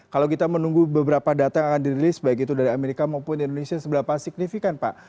kalau kita menunggu beberapa data yang akan dirilis baik itu dari amerika maupun indonesia seberapa signifikan pak